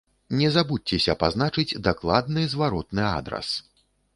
Не забудзьцеся пазначыць дакладны зваротны адрас!